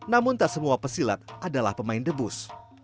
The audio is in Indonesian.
namun tak semua pesilat adalah pemain debus